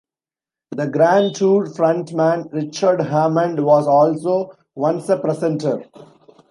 "The Grand Tour" front-man Richard Hammond was also once a presenter.